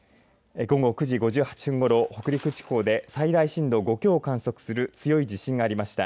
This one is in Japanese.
午後９時５８分ごろ北陸地方で最大震度５強を観測する強い地震がありました。